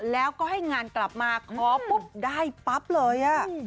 แล้วก็ให้งานกลับมาขอปุ๊บได้ปั๊บเลย